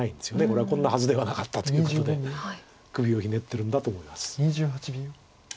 これはこんなはずではなかったということで首をひねってるんだと思います。